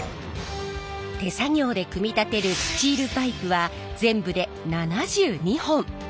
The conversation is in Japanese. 手作業で組み立てるスチールパイプは全部で７２本！